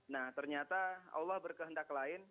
nah ternyata allah berkehendak lain